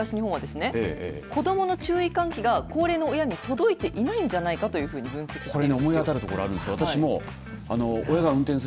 ＮＥＸＣＯ東日本はですね子どもの注意喚起が高齢の親に届いていないんじゃないかというふうに分析しているんです。